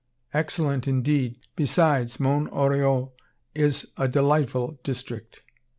"'Excellent, indeed. Besides, Mont Oriol is a delightful district.'"